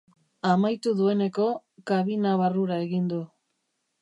Amaitu dueneko, kabina barrura egin du.